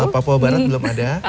papua barat belum ada